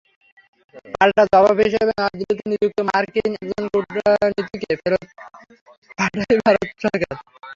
পাল্টা জবাব হিসেবে নয়াদিল্লিতে নিযুক্ত মার্কিন একজন কূটনীতিককেও ফেরত পাঠায় ভারত সরকার।